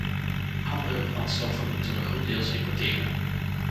Andere brandstoffen moeten we goeddeels importeren.